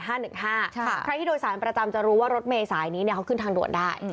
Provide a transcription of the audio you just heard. ใครที่โดยสารประจำจะรู้ว่ารถเมษายนี้เขาขึ้นทางด่วนได้